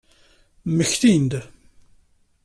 Mmektin-d.